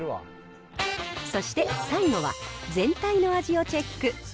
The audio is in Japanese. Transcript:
そして最後は、全体の味をチェック。